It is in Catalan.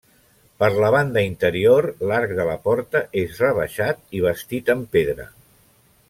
Per la banda interior, l'arc de la porta és rebaixat i bastit amb pedra.